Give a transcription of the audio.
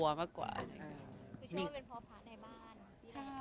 บางทีเค้าแค่อยากดึงเค้าต้องการอะไรจับเราไหล่ลูกหรือยังไง